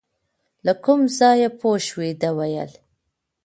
له کوم ځایه پوه شوې، ده ویل .